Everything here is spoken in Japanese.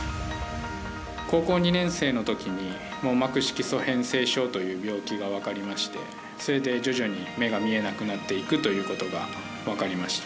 高校２年生のときに網膜色素変性症という病気が分かりましてそれで徐々に目が見えなくなっていくということが分かりました。